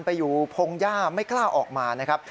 ไปอยู่พงหญ้าไม่กล้าออกมานะครับ